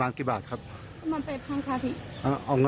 มีกันมากกันสองคนค่ะ